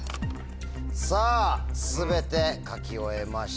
さぁ全て書き終えました。